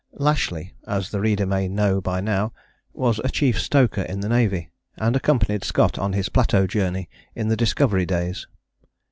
" Lashly, as the reader may know by now, was a chief stoker in the Navy, and accompanied Scott on his Plateau Journey in the Discovery days.